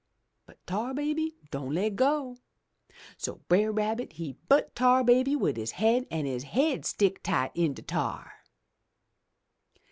But Tar Baby don' le' go. So Brer Rabbit he butt Tar Baby wid his haid an' his haid stick tight in de tar.